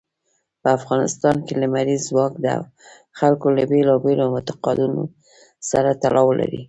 په افغانستان کې لمریز ځواک د خلکو له بېلابېلو اعتقاداتو سره تړاو لري.